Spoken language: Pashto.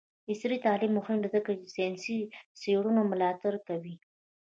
عصري تعلیم مهم دی ځکه چې د ساینسي څیړنو ملاتړ کوي.